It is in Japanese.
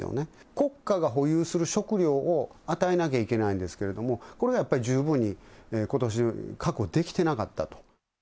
国家が保有する食料を与えなきゃいけないんですけれども、これがやっぱり十分にことし確保できていなかったと。